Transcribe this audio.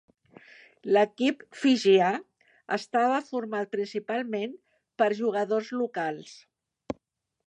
L'equip fijià estava format principalment per jugadors locals.